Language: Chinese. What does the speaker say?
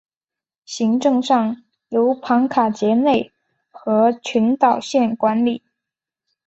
行政上由庞卡杰内和群岛县管理。